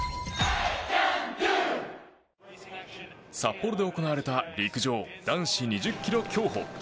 札幌で行われた陸上男子２０ｋｍ競歩。